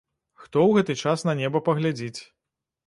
Хто у гэты час на неба паглядзіць.